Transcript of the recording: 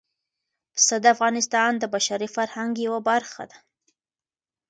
پسه د افغانستان د بشري فرهنګ یوه برخه ده.